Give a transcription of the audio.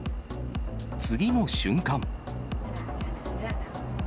次の瞬間。